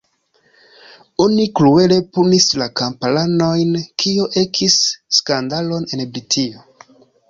Oni kruele punis la kamparanojn, kio ekis skandalon en Britio.